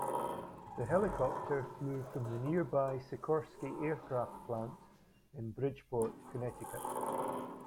The helicopter flew from the nearby Sikorsky Aircraft plant in Bridgeport, Connecticut.